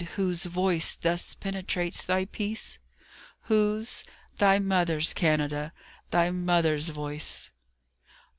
Whose voice thus penetrates thy peace? Whose? Thy Mother's, Canada, thy Mother's voice.